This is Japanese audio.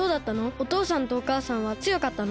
おとうさんとおかあさんはつよかったの？